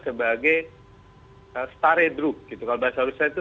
sebagai stare drug itu kalau saya itu